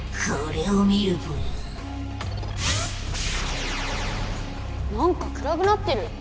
これを見るぽよ。